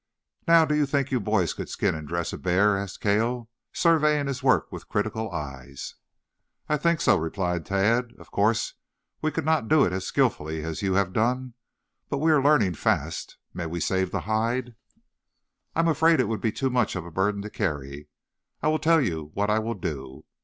"Now, do you think you boys could skin and dress a bear?" asked Cale, surveying his work with critical eyes. "I think so," replied Tad. "Of course we could not do it as skilfully as you have done, but we are learning fast. May we save the hide?" "I am afraid it would be too much of a burden to carry. I'll tell you what I will do.